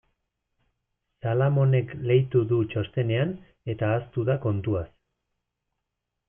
Salamonek leitu du txostenean eta ahaztu da kontuaz.